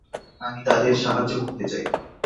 আমি তাদের সাহায্য করতে চাই!